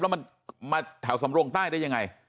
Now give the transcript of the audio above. แล้วมันมาแถวสำรงใต้ได้ยังไง